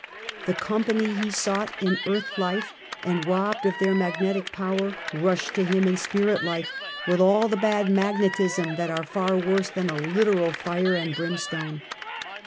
The company he sought in earth life, and robbed of their magnetic power, rush to him in spirit life, with all the bad magnetism that are far worse than a literal fire and brimstone.